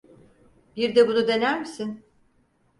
Bir de bunu dener misin?